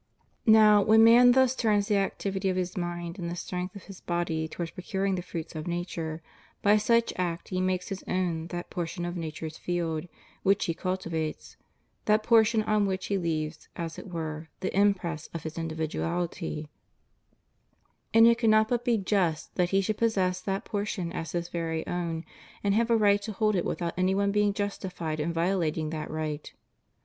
Now, when man CONDITION OF THE WORKING CLASSES. 213 thus turns the activity of his mind and the strength of his body towards procuring the fruits of nature, by such act he makes his own that portion of nature's field which he cultivates — that portion on which he leaves, as it were, the impress of his individuality ; and it cannot but be just that he should possess that portion as his very own, and have a right to hold it without any one being justified in violating that right.